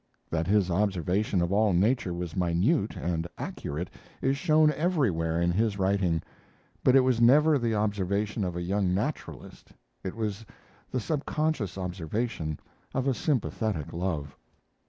That his observation of all nature was minute and accurate is shown everywhere in his writing; but it was never the observation of a young naturalist it was the subconscious observation of sympathetic love.